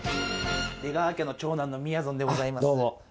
出川家の長男のみやぞんでございます。